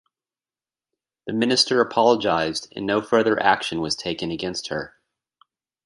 The minister apologised, and no further action was taken against her.